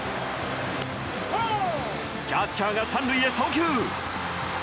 キャッチャーが３塁へ送球。